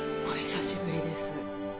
お久しぶりです。